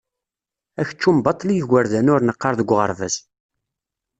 Akeččum baṭel i igerdan ur neqqar deg uɣerbaz.